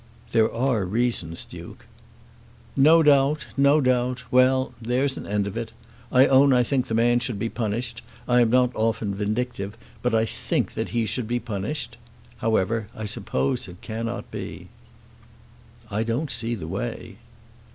"There are reasons, Duke." "No doubt; no doubt. Well; there's an end of it. I own I think the man should be punished. I am not often vindictive, but I think that he should be punished. However, I suppose it cannot be." "I don't see the way."